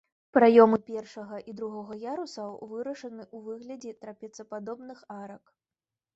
Праёмы першага і другога ярусаў вырашаны ў выглядзе трапецападобных арак.